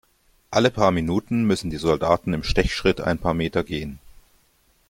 Alle paar Minuten müssen die Soldaten im Stechschritt ein paar Meter gehen.